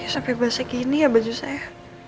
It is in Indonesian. sampai basah gini ya baju saya